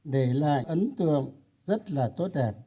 để lại ấn tượng rất là tốt đẹp